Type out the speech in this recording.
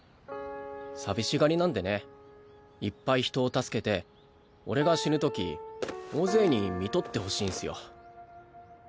寂しがりなんでねいっぱい人を助けて俺が死ぬとき大勢に看取ってほしいんすよ。